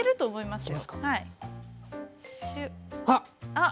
あっ！